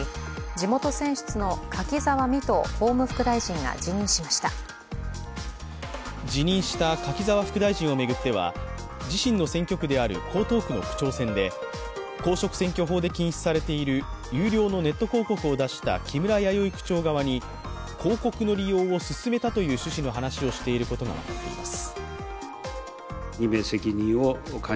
地元選出の柿沢未途法務副大臣が辞任しました辞任した柿沢副大臣を巡っては、自身の選挙区である江東区の区長選で、公職選挙法で禁止されている有料のネット広告を出した木村弥生区長側に広告の利用を勧めたという趣旨の話をしていることが分かっています。